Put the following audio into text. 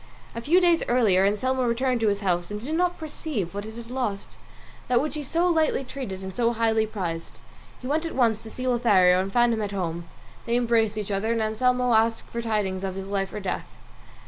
A few days later Anselmo returned to his house and did not perceive what it had lost, that which he so lightly treated and so highly prized. He went at once to see Lothario, and found him at home; they embraced each other, and Anselmo asked for the tidings of his life or his death.